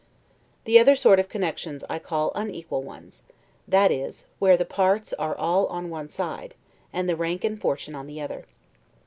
The other sort of connections I call unequal ones; that is, where the parts are all on one side, and the rank and fortune on the other.